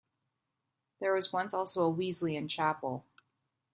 There was once also a Wesleyan chapel.